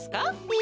え？